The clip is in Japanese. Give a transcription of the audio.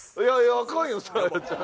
アカンよサーヤちゃん。